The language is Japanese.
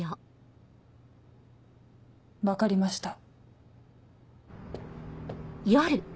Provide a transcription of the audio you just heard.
分かりました。